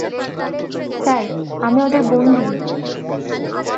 Sir, আমি ওদের বন্দী!